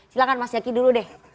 silahkan mas yaki dulu deh